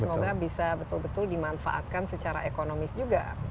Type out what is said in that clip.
semoga bisa betul betul dimanfaatkan secara ekonomis juga